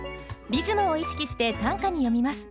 リズムを意識して短歌に詠みます。